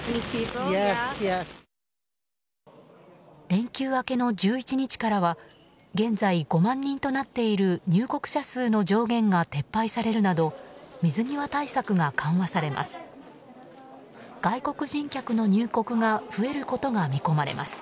連休明けの１１日からは現在５万人となっている入国者数の上限が撤廃されるなど水際対策が緩和されます。